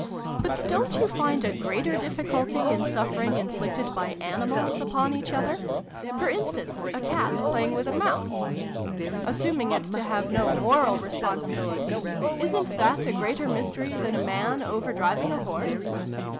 But don't you find a greater diffi culty in sufferings inflicted by animals upon each other ? For instance, a cat playing with a mouse. Assuming it to have no moral responsibility, isn't that a greater mystery than a man over driving a horse